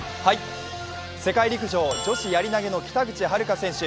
世界陸上、女子やり投の北口榛花選手。